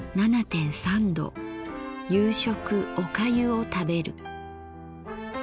夕食おかゆを食べる」。